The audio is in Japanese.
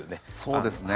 そうですね。